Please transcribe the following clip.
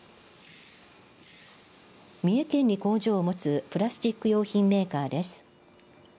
三重県に工場を持つプラスチック用品メーカーです。